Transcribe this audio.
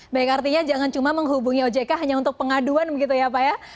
baik artinya jangan cuma menghubungi ojk hanya untuk pengaduan begitu ya pak ya